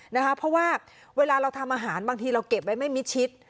เพราะว่าเวลาเราทำอาหารบางทีเราเก็บไว้ไม่มิดชิด